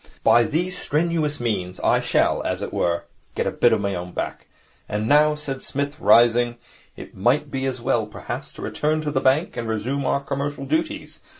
By these strenuous means I shall, as it were, get a bit of my own back. And now,' said Psmith, rising, 'it might be as well, perhaps, to return to the bank and resume our commercial duties.